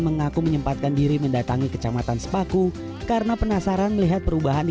mengaku menyempatkan diri mendatangi kecamatan sepaku karena penasaran melihat perubahan